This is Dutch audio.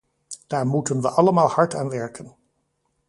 Daar moeten we allemaal hard aan werken.